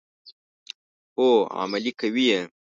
هو، عملي کوي یې.